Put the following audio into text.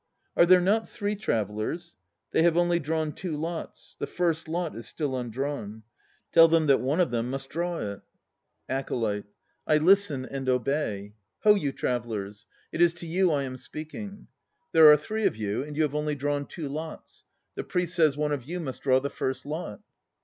Are there not three travellers? They have only drawn two lots. The First Lot is still undrawn. Tell them that one of them must draw it. I K E N I Y E 201 ACOLYTE. I listen and obey. Ho, you travellers, it is to you I am speaking. There are three of you, and you have only drawn two lots. The Priest says one of you must draw the First Lot.